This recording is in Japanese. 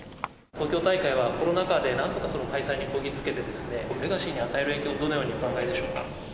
東京大会はコロナ禍でなんとか開催にこぎつけて、レガシーに与える影響は、どのようにお考えでしょうか。